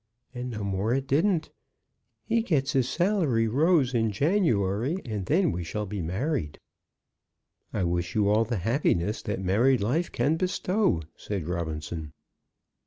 And no more it didn't. He gets his salary rose in January, and then we shall be married." "I wish you all the happiness that married life can bestow," said Robinson.